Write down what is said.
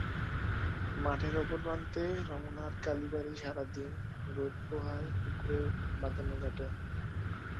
মাঠের অপর প্রান্তে রমনার কালীবাড়ি সারা দিন রোদ পোহায় পুকুরের বাঁধানো ঘাট।